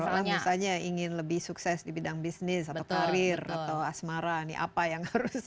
misalnya ingin lebih sukses di bidang bisnis atau karir atau asmara ini apa yang harus